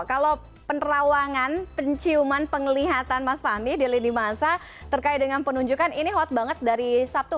kalau penerawangan penciuman penglihatan mas fahmi di lini masa terkait dengan penunjukan ini hot banget dari sabtu